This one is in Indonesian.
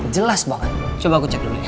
jelas banget coba aku cek dulu